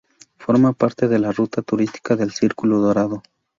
Forma parte de la ruta turística del Círculo Dorado.